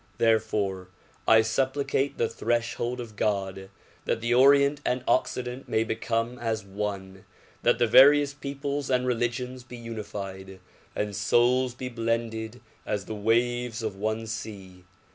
Therefore I supplicate the threshold of God that the Orient and Occident may become as one, that the various peoples and religions be unified and souls be blended as the waves of one sea.